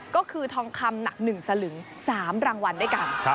ก็คือทองคำหนัก๑สลึง๓รางวัลด้วยกัน